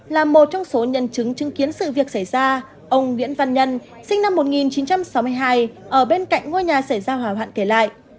là một trong số nhân chứng chứng kiến sự việc xảy ra ông nguyễn văn nhân sinh năm một nghìn chín trăm sáu mươi hai ở bên cạnh ngôi nhà xảy ra hỏa hoạn kể lại